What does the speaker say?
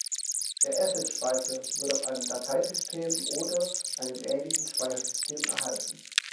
Der Asset-Speicher wird auf einem Dateisystem oder einem ähnlichen Speichersystem erhalten.